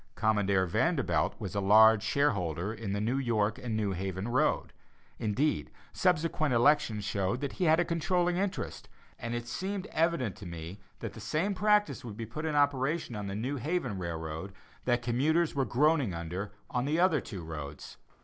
Commodore Vanderbilt was a large shareholder in the New York and New Haven road; indeed, subsequent elections showed that he had a controlling interest, and it seemed evident to me that the same practice would be put in operation on the New Haven Railroad, that commuters were groaning under on the two other roads.